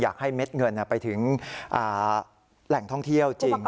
เม็ดเงินไปถึงแหล่งท่องเที่ยวจริง